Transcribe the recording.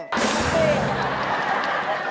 ดี